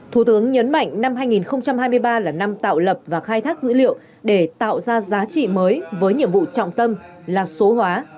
thủ tướng nhấn mạnh năm hai nghìn hai mươi ba là năm tạo lập và khai thác dữ liệu để tạo ra giá trị mới với nhiệm vụ trọng tâm là số hóa